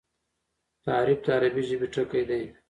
تحریف د عربي ژبي ټکی دﺉ.